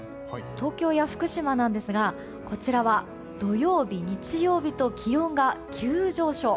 東京や福島なんですがこちらは土曜日、日曜日と気温が急上昇。